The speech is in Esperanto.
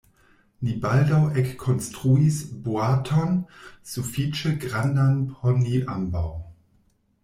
Ni baldaŭ ekkonstruis boaton sufiĉe grandan por ni ambaŭ.